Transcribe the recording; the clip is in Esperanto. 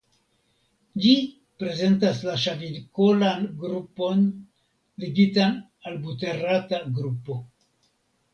Ĝi prezentas la ŝavikolan grupon ligitan al la buterata grupo.